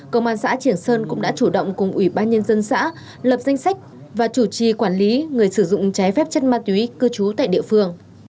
công an xã triển sơn cũng đã chủ động cùng ủy ban nhân dân xã lập danh sách và chủ trì quản lý người sử dụng trái phép chất ma túy cư trú tại địa phương